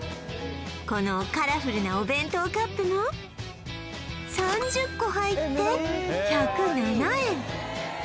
このカラフルなお弁当カップも３０個入って１０７円